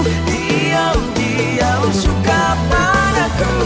diam diam suka padaku